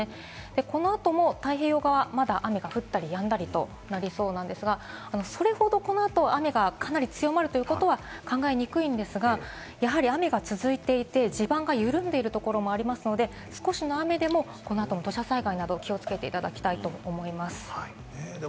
このあとも太平洋側、まだ雨が降ったり、やんだりとなりそうなんですが、それほどこのあと雨がかなり強まるということは考えにくいんですが、やはり雨が続いていて、地盤が緩んでいるところもありますので、少しの雨でも土砂災害など気をつけていただきたいと思います。